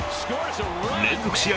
連続試合